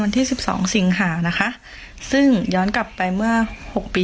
ที่สิบสองสิงหานะคะซึ่งย้อนกลับไปเมื่อหกปี